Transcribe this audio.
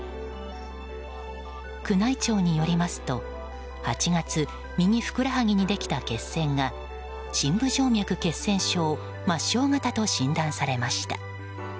宮内庁によりますと、８月右ふくらはぎにできた血栓が深部静脈血栓症・末梢型と診断されました。